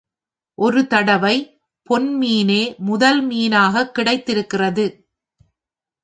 ஒரு தடவை பொன் மீனே முதல் மீனாகக் கிடைத்திருக்கிறது.